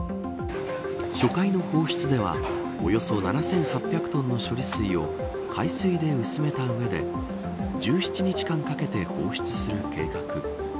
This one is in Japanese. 初回の放出ではおよそ７８００トンの処理水を海水で薄めた上で１７日間かけて放出する計画。